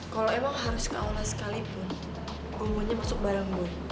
kalau emang harus ke aula sekalipun gue maunya masuk bareng boy